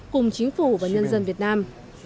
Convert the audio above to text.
cùng chính phủ và nhân dân việt nam